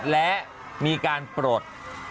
และมีการปลด